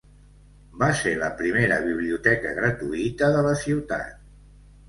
Va ser la primera biblioteca gratuïta de la ciutat.